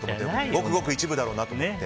ごくごく一部だろうと。